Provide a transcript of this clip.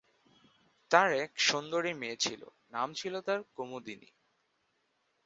তার একজন সুন্দরী মেয়ে ছিল নাম ছিল তার 'কুমোদিনী'।